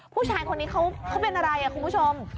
ผู้ชายคนนี้เขาเป็นอะไรคุณผู้ชม